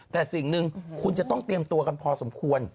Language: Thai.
แต่สิ่งหนึ่งคุณจะต้องเตรียมตัวกันพอสมควร